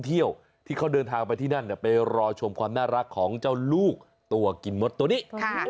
เดี๋ยวไปรอชมความน่ารักของเจ้าลูกตัวกินมดตัวนี้